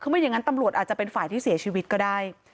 คือไม่อย่างนั้นตำรวจอาจจะเป็นฝ่ายที่เสียชีวิตก็ได้